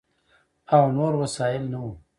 او نور وسایل نه ؤ،